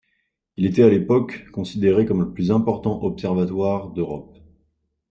Il était à l'époque considéré comme le plus important observatoire d'Europe.